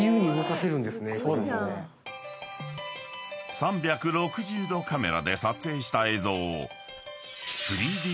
［３６０度カメラで撮影した映像を］